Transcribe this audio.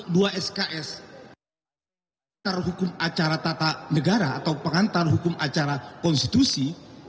pekan pekan pengantar hukum acara tata negara atau pengantar hukum acara konstitusi